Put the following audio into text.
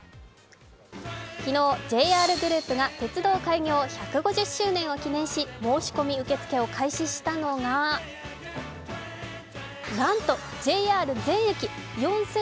昨日、ＪＲグループが鉄道開業１５０周年を記念し申込受付を開始したのがなんとＪＲ全駅４３６８